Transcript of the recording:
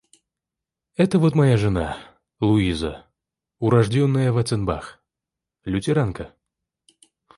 Это вот моя жена, Луиза, урождённая Ванценбах... лютеранка...